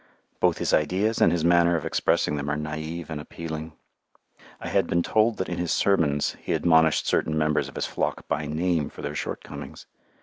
Both his ideas and his manner of expressing them are naïve and appealing. I had been told that in his sermons he admonished certain members of his flock by name for their shortcomings.